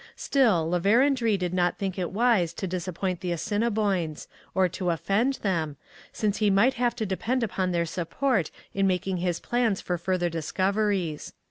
Still, La Vérendrye did not think it wise to disappoint the Assiniboines, or to offend them, since he might have to depend upon their support in making his plans for further discoveries.